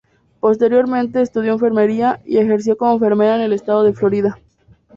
Posteriormente estudió Enfermería, y ejerció como enfermera en el estado de Florida.